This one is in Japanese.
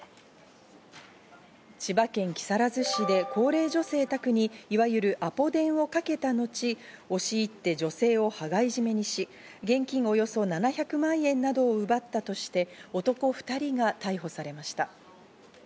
千葉県木更津市で高齢女性宅に、いわゆるアポ電をかけた後、押し入って女性を羽交い締めにし、現金およそ７００万円などを奪ったとして、男２人が逮捕されました。